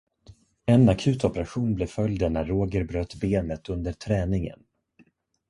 En akut operation blev följden när Roger bröt benet under träningen.